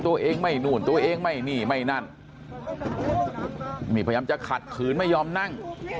ตัวเองไม่นู่นตัวเองไม่นี่ไม่นั่นนี่พยายามจะขัดขืนไม่ยอมนั่ง